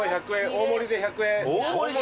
大盛りで１００円？